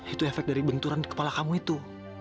itu efek dari benturan kepala kamu itu